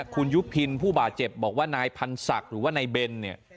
คุณยุพินผู้บาดเจ็บบอกว่านายพันธ์ศักดิ์หรือว่านายเบนเนี่ย